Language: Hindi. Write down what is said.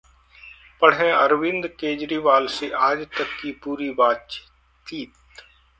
पढ़ें, अरविंद केजरीवाल से 'आज तक' की पूरी बातचीत